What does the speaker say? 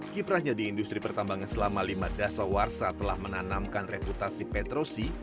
kiprahnya di industri pertambangan selama lima dasar warsa telah menanamkan reputasi petrosi